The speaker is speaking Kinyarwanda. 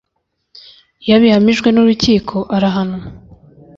Iyo abihamijwe n’urukiko arahanwa